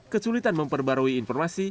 kesulitan memperbarui informasi